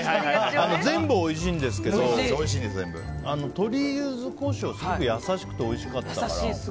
全部おいしいんですけど鶏ゆず胡椒はすごく優しくておいしかったから。